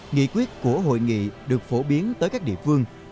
nghị quyết của hội nghị được phổ biến tới các địa phương